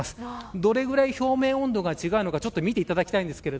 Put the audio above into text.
どれくらい表面温度が違うのか見ていただきたいです。